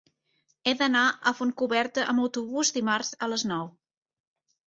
He d'anar a Fontcoberta amb autobús dimarts a les nou.